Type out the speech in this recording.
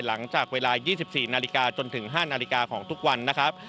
หลังจากเวลา๒๔นาฬิกาจนถึง๕นาฬิกาของทุกวันนะครับ